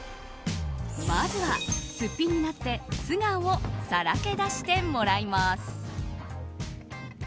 まずは、すっぴんになって素顔をさらけ出してもらいます。